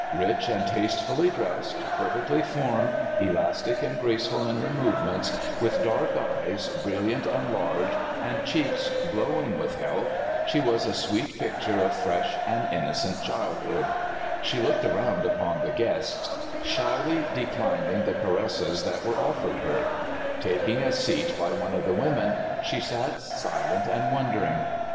Richly and tastefully dressed, perfect ly formed, elastic and graceful in her movements, with dark eyes, brilliant and large, and cheeks glowing with health, she was a sweet picture of fresh and innocent childhood. She looked around upon the guests, shyly declining the caresses that ^* I TVaited for hint to conic iif.'' (301) 302 CALIFORNIA SKETCHES. were offered her. Taking a seat by one of the women, she sat silent and wondering.